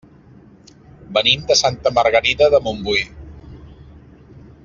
Venim de Santa Margarida de Montbui.